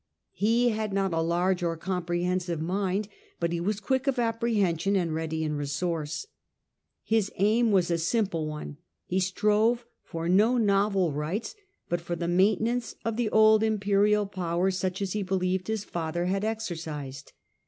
He had not a large or comprehensive mind, but he was quick of apprehension and ready in resource. His aim was a simple one: he strove for no novel rights, but for the maintenance of the old imperial power, such as he believed his father had exercised.